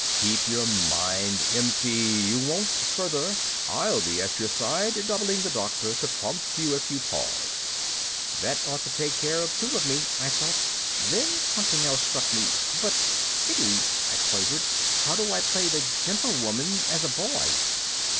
"Keep your mind empty. You won't. Further, I'll be at your side, doubling the Doctor, to prompt you if you pause." That ought to take care of two of me, I thought. Then something else struck me. "But Siddy," I quavered, "how do I play the Gentlewoman as a boy?"